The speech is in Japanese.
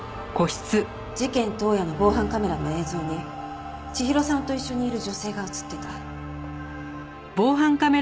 事件当夜の防犯カメラの映像に千尋さんと一緒にいる女性が映っていた。